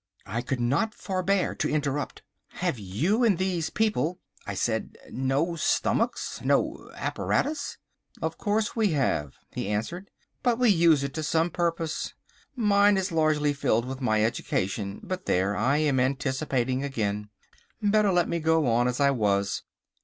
I could not forbear to interrupt. "Have you and these people," I said, "no stomachs—no apparatus?" "Of course we have," he answered, "but we use it to some purpose. Mine is largely filled with my education—but there! I am anticipating again. Better let me go on as I was.